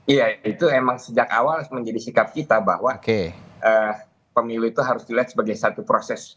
iya itu emang sejak awal menjadi sikap kita bahwa pemilu itu harus dilihat sebagai satu proses